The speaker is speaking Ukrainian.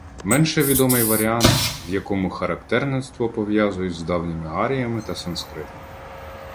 Менше відомий варіант, в якому характерництво пов’язують з давніми аріями та санскритом.